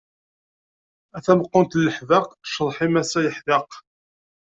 A tameqqunt n leḥbaq, ccḍeḥ-im ass-a yeḥdeq.